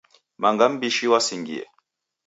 Manga mbishi wasingiye